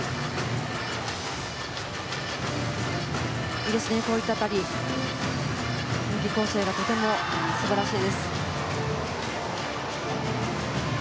いいですね、こういった辺り演技構成がとても素晴らしいです。